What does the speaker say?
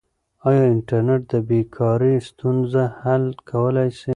آیا انټرنیټ د بې کارۍ ستونزه حل کولای سي؟